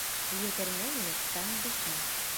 Егерме минуттан бешә.